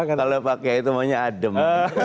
kalau pakai itu maunya adem